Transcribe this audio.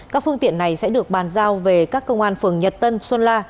các phương tiện này sẽ được bàn giao về các công an phường nhật tân xuân la